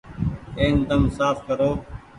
اين تم ساڦ ڪرو۔